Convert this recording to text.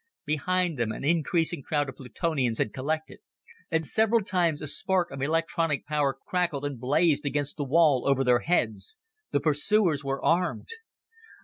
Behind them an increasing crowd of Plutonians had collected, and several times a spark of electronic power crackled and blazed against the wall over their heads. The pursuers were armed.